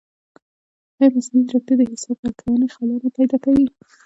ایا مصنوعي ځیرکتیا د حساب ورکونې خلا نه پیدا کوي؟